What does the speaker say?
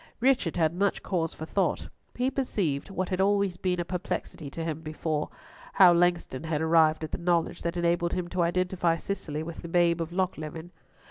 Richard had much cause for thought. He perceived, what had always been a perplexity to him before, how Langston had arrived at the knowledge that enabled him to identify Cicely with the babe of Lochleven.